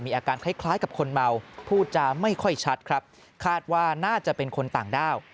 อาการคล้ายกับคนเมาพูดจาไม่ค่อยชัดครับคาดว่าน่าจะเป็นคนต่างด้าว